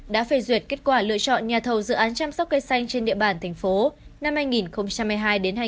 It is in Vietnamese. đã phê duyệt kết quả lựa chọn nhà thầu dự án chăm sóc cây xanh trên địa bàn thành phố